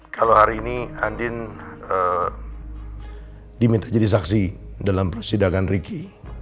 kalau hari ini andin diminta jadi saksi dalam persidangan ricky